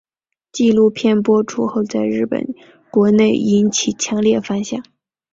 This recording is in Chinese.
纪录片播出后在日本国内引起强烈反响。